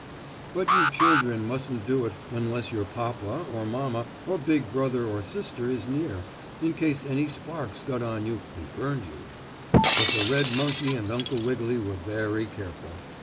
But you children mustn't do it unless your papa, or mamma, or big brother or sister is near, in case any sparks got on you and burned you. But the red monkey and Uncle Wiggily were very careful.